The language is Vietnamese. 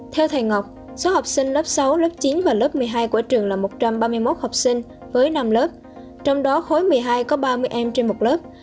theo thầy ngọc số học sinh lớp sáu lớp chín và lớp một mươi hai của trường là một trăm ba mươi một học sinh với năm lớp trong đó khối một mươi hai có ba mươi em trên một lớp